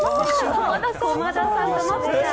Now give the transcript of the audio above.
駒田さんと真子ちゃん。